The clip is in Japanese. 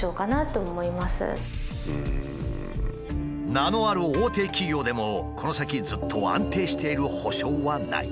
名のある大手企業でもこの先ずっと安定している保証はない。